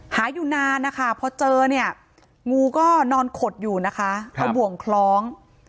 อยู่นานนะคะพอเจอเนี่ยงูก็นอนขดอยู่นะคะเอาบ่วงคล้อง